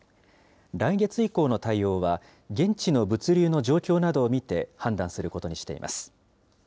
来月以降の対応は、現地の物流の状況などを見て判断することにしています。